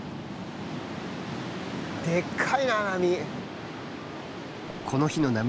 でっかいなあ、波。